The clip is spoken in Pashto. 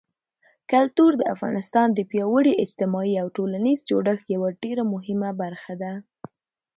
کلتور د افغانستان د پیاوړي اجتماعي او ټولنیز جوړښت یوه ډېره مهمه برخه ده.